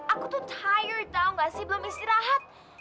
aku tuh tired tau ga sih belum istirahat